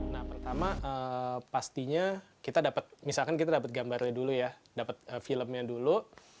nah pertama pastinya kita dapat misalkan kita dapat gambarnya dulu ya dapat filmnya dulu